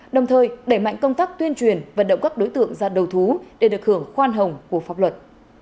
đồng thời đẩy mạnh công tác tuyên truyền vận động các đối tượng ra đầu thú để được hưởng khoan hồng của pháp luật